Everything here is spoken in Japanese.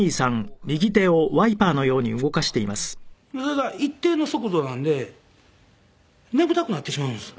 ただ一定の速度なんで眠たくなってしまうんです。